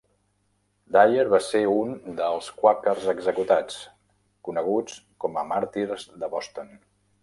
Dyer va ser un dels quàquers executats, coneguts com a màrtirs de Boston.